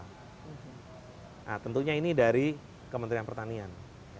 nah tentunya ini dari kementerian pertanian